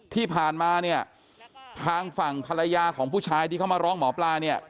ที่ผ่านมาเนี่ยทางฝั่งภรรยาของผู้ชายที่เขามาร้องหมอปลาเนี่ย